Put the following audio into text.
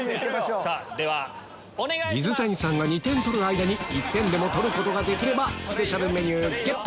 水谷さんが２点取る間に１点でも取ることができればスペシャルメニューゲット！